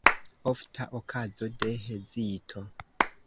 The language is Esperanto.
Ofta okazo de hezito.